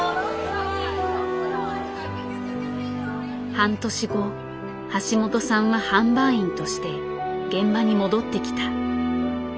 半年後橋本さんは販売員として現場に戻ってきた。